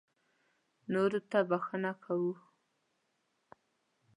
نورو ته بښنه کوه .